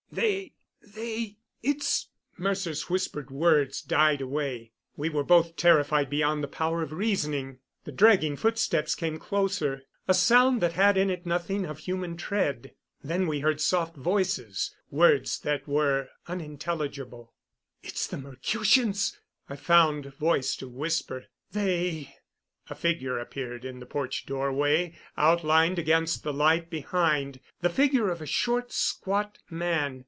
"They they it's " Mercer's whispered words died away. We were both terrified beyond the power of reasoning. The dragging footsteps came closer a sound that had in it nothing of human tread. Then we heard soft voices words that were unintelligible. "It's the Mercutians," I found voice to whisper. "They " A figure appeared in the porch doorway, outlined against the light behind the figure of a short, squat man.